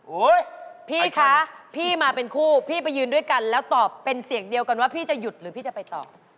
พี่คะพี่มาเป็นคู่พี่ไปยืนด้วยกันแล้วตอบเป็นเสียงเดียวกันว่าพี่จะหยุดหรือพี่จะไปต่อ